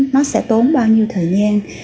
nó sẽ tốn bao nhiêu thời gian